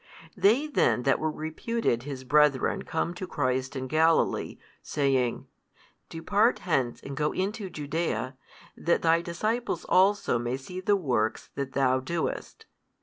They then that were reputed His brethren come to Christ in Galilee, saying, Depart hence and go into |315 Judaea, that Thy disciples also may see the works that Thou doest.